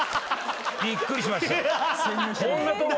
びっくりしました。